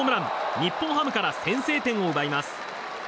日本ハムから先制点を奪います。